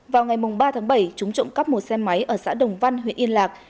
vào ngày ba tháng bảy chúng trộm cắp một xe máy ở xã đồng văn huyện yên lạc